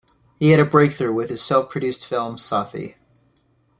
He had a breakthrough with his self-produced film "Sathi".